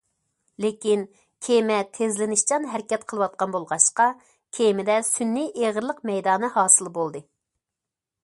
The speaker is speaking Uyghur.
لېكىن كېمە تېزلىنىشچان ھەرىكەت قىلىۋاتقان بولغاچقا كېمىدە سۈنئىي ئېغىرلىق مەيدانى ھاسىل بولدى.